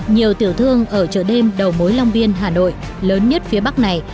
nhiều tiểu thương ở chợ đêm đầu mối long biên hà nội lớn nhất phía bắc này